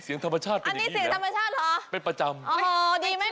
เสียงธรรมชาติอันนี้เสียงธรรมชาติเหรอเป็นประจำอ๋อดีไหม